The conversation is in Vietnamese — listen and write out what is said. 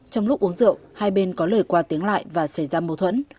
trong lúc uống rượu hai bên có lời qua tiếng lại và xảy ra mâu thuẫn